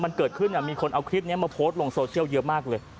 ถ้าเกิดเหตุการณ์มันเกิดขึ้นมีคนเอาคลิปนี้มาโพสต์ลงโซเชียลเยอะมากเลย